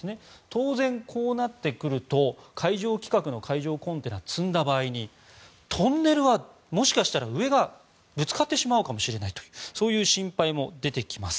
当然、こうなってくると海上規格の海上コンテナを積んだ場合にトンネルはもしかしたら上がぶつかってしまうかもしれないというそういう心配も出てきます。